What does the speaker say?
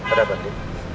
ada apa di